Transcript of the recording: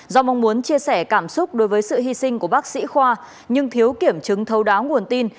do mong muốn chia sẻ cảm xúc đối với sự hy sinh của bác sĩ khoa nhưng thiếu kiểm chứng thấu đáo nguồn tin